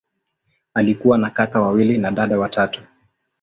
Alikuwa na kaka wawili na dada watatu.